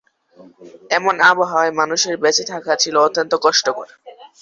এমন আবহাওয়ায় মানুষের বেঁচে থাকা ছিল অত্যন্ত কষ্টকর।